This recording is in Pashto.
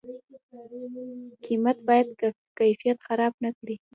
کمیت باید کیفیت خراب نکړي؟